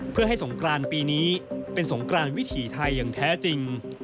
เพื่อให้สงกรานปีนี้เป็นสงกรานวิถีไทยอย่างแท้จริง